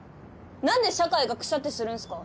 なんで社会がクシャってするんすか？